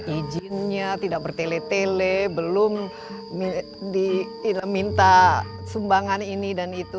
izinnya tidak bertele tele belum diminta sumbangan ini dan itu